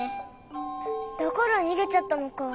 だからにげちゃったのか。